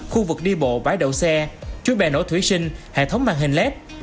khu vực đi bộ bãi đậu xe chuối bè nổ thủy sinh hệ thống màn hình led